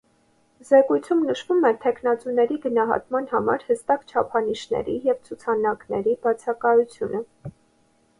Զեկույցում նշվում է թեկնածուների գնահատման համար հստակ չափանիշների և ցուցանակների բացակայությունը։